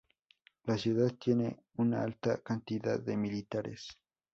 La ciudad tiene una alta cantidad de militares.